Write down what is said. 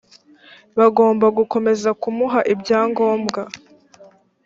bagomba gukomeza kumuha ibya ngombwa